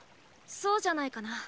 そうじゃないかな。